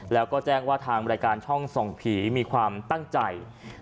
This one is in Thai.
แล้วก็แจ้งว่าทางรายการช่องส่องผีมีความตั้งใจ